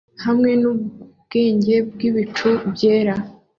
hamwe nubwenge bwibicu byera